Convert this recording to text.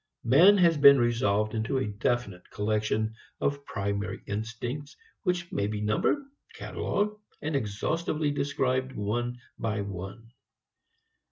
Man has been resolved into a definite collection of primary instincts which may be numbered, catalogued and exhaustively described one by one.